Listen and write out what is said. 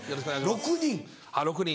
６人。